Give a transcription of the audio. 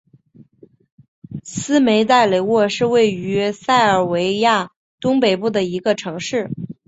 斯梅代雷沃是位于塞尔维亚东北部的一个城市。